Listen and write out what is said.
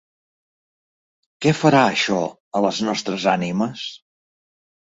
Què farà això a les nostres ànimes?